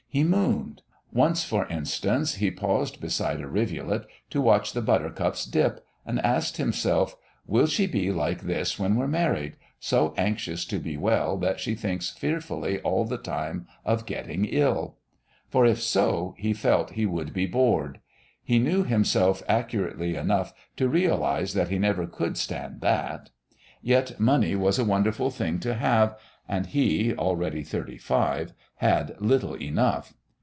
He mooned. Once, for instance, he paused beside a rivulet to watch the buttercups dip, and asked himself, "Will she be like this when we're married so anxious to be well that she thinks fearfully all the time of getting ill?" For if so, he felt he would be bored. He knew himself accurately enough to realise that he never could stand that. Yet money was a wonderful thing to have, and he, already thirty five, had little enough!